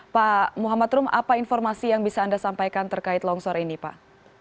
pak muhammad rum apa informasi yang bisa anda sampaikan terkait longsor ini pak